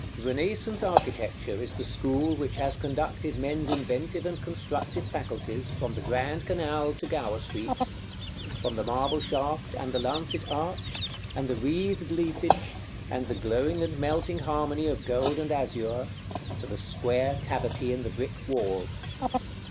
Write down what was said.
§ II. Renaissance architecture is the school which has conducted men's inventive and constructive faculties from the Grand Canal to Gower Street; from the marble shaft, and the lancet arch, and the wreathed leafage, and the glowing and melting harmony of gold and azure, to the square cavity in the brick wall.